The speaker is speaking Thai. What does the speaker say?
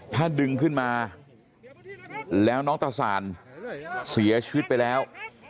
ถ้าดึงขึ้นมาแล้วน้องตะสานเสียชีวิตไปแล้ว